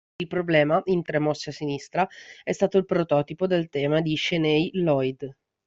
Il problema in tre mosse a sinistra è stato il "prototipo" del tema Cheney-Loyd.